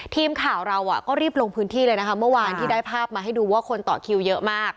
ทีมข่าวเราก็รีบลงพื้นที่เลยนะคะเมื่อวานที่ได้ภาพมาให้ดูว่าคนต่อคิวเยอะมาก